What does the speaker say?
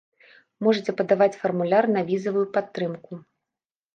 Можаце падаваць фармуляр на візавую падтрымку!